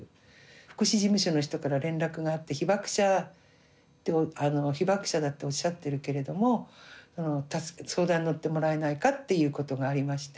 福祉事務所の人から連絡があって被爆者だっておっしゃってるけれども相談に乗ってもらえないかっていうことがありまして。